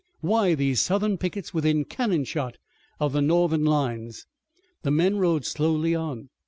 Why these Southern pickets within cannon shot of the Northern lines? The men rode slowly on.